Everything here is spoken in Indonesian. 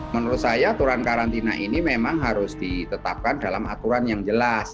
menurut saya aturan karantina ini memang harus ditetapkan dalam aturan yang jelas